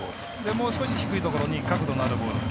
もう少し低いところに角度のあるボール。